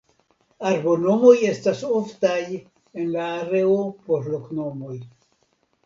Arbonomoj estas oftaj en la areo por loknomoj.